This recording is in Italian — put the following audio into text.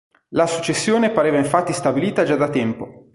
La successione pareva infatti stabilita già da tempo.